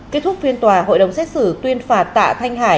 kết thúc phiên tòa hội đồng xét xử tuyên phạt tạ thanh hải